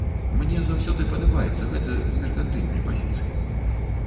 Мне заўсёды падабаецца гэта з меркантыльнай пазіцыі.